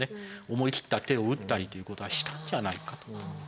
思いきった手を打ったりということはしたんじゃないかと。